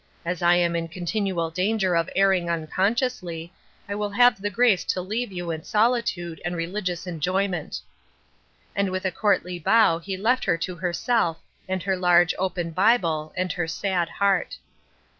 As I am in contin ual danger of erring unconsciously, I will have the grace to leave you in solitude and religious enjoyment," and with a courtly bow he left her fco herself, and her large, open Bible, and her sad heart.